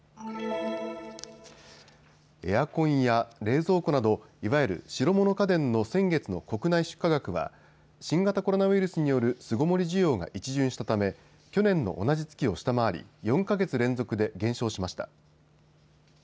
エアコンや冷蔵庫などいわゆる白物家電の先月の国内出荷額は新型コロナウイルスによる巣ごもり需要が一巡したため去年の同じ月を下回り、４か月連続で減少しました。